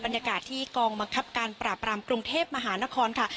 บรรยากาศที่กองบังคับการปราบรามกรุงเทพมหานครค่ะ